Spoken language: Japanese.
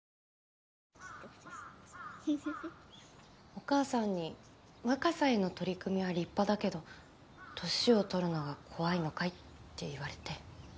お母さんに「若さへの取り組みは立派だけど年を取るのが怖いのかい？」って言われて。